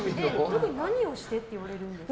特に何をしてって言われるんですか？